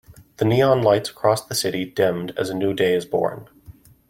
The neon lights across the city dimmed as a new day is born.